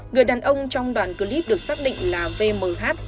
người đàn ông trong đoạn clip được xác định là vmh